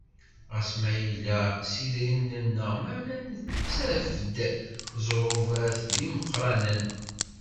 Ɣas ma yella s yidrimen-nneɣ, meɛna nettaf-d ẓẓrubat d imeqqranen.